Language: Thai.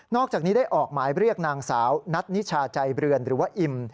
อกจากนี้ได้ออกหมายเรียกนางสาวนัทนิชาใจเรือนหรือว่าอิม